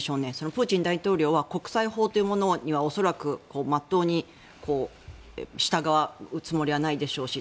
プーチン大統領は国際法というものには恐らく真っ当に従うつもりはないでしょうし。